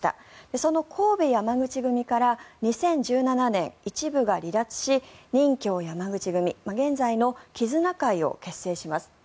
その神戸山口組から２０１７年、一部が離脱し任侠山口組現在の絆会を結成します。